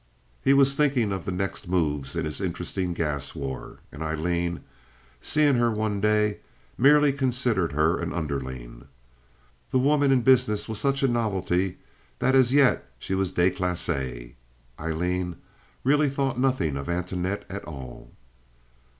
He was thinking of the next moves in his interesting gas war. And Aileen, seeing her one day, merely considered her an underling. The woman in business was such a novelty that as yet she was declassé. Aileen really thought nothing of Antoinette at all.